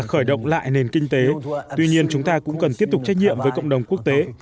khởi động lại nền kinh tế tuy nhiên chúng ta cũng cần tiếp tục trách nhiệm với cộng đồng quốc tế